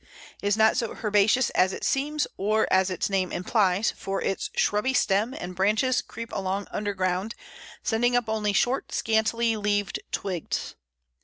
It is not so herbaceous as it seems, or as its name implies, for its shrubby stem and branches creep along underground, sending up only short, scantly leaved twigs.